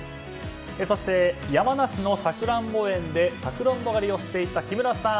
そして山梨のサクランボ園でサクランボ狩りをしていた木村さん。